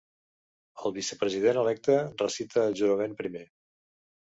El vicepresident electe recita el jurament primer.